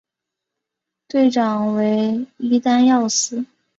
队长为伊丹耀司。